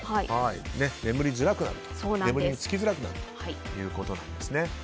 眠りにつきづらくなるということなんですね。